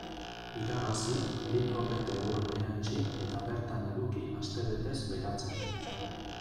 Iragazi, litro bete ur erantsi eta bertan eduki astebetez beratzen.